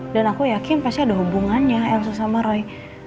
dan aku yakin pasti ada hubungannya elsa sama roy